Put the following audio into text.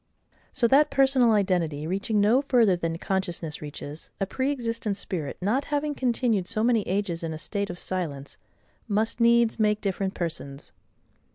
So that personal identity, reaching no further than consciousness reaches, a pre existent spirit not having continued so many ages in a state of silence, must needs make different persons.